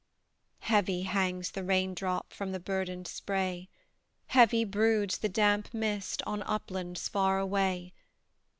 Heavy hangs the rain drop From the burdened spray; Heavy broods the damp mist On uplands far away.